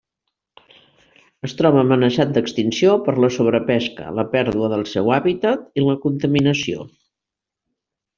Es troba amenaçat d'extinció per la sobrepesca, la pèrdua del seu hàbitat i la contaminació.